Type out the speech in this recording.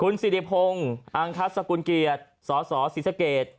คุณสิริพงฮ์อังคัตสกุลเกียรติสสศิษฐกรรม